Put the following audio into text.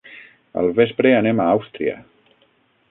Al vespre anem a Àustria.